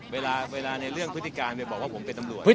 เวลาในเรื่องพฤติการบอกว่าผมเป็นตำรวจ